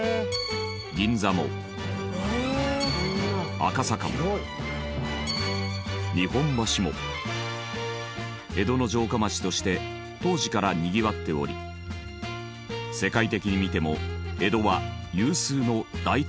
銀座も赤坂も日本橋も江戸の城下町として当時からにぎわっており世界的に見ても江戸は有数の大都市だったのです。